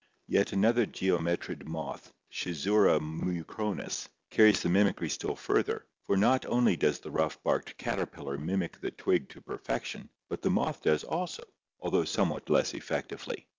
Yet another geometrid moth, Schizura mucronis, carries the mim icry still further, for not only does the rough barked caterpillar mimic the twig to perfection, but the moth does also, although 242 ORGANIC EVOLUTION somewhat less effectively.